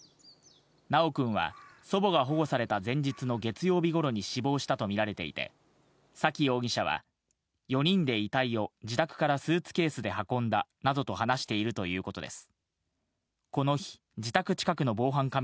修くんは、祖母が保護された前日の月曜日ごろに死亡したと見られていて、沙喜容疑者は、４人で遺体を自宅からスーツケースで運んだなどと話しているということです。